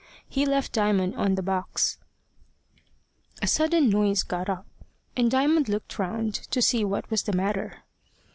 He left Diamond on the box. A sudden noise got up, and Diamond looked round to see what was the matter.